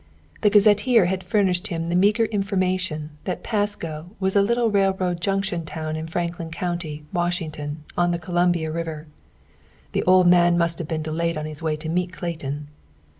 The Gazetteer had furnished him the meager information that Pasco was a little railroad junction town in Franklin County, Washington, on the Columbia River. "The old man must have been delayed on his way to meet Clayton."